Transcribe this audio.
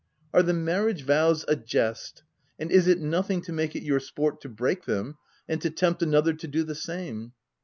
Are the marriage vows a jest ; and is it nothing to make it your sport to break them, and to tempt ano ther to do the same